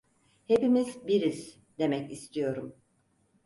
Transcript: Hepimiz biriz demek istiyorum.